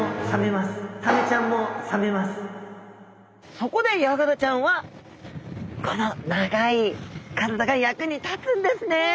そこでヤガラちゃんはこの長い体が役に立つんですね。